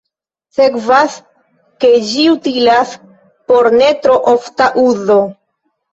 Sekvas, ke ĝi utilas por ne tro ofta uzo.